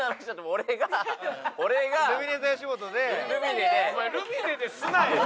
お前ルミネですなよ！